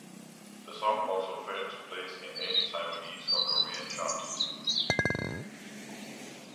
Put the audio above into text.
The song also failed to place in any Taiwanese or Korean chart.